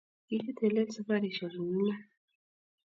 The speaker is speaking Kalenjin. Kikitelel safarishe eng' iman